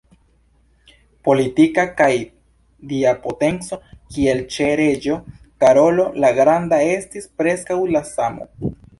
Politika kaj dia potenco, kiel ĉe reĝo Karolo la Granda, estis preskaŭ la samo.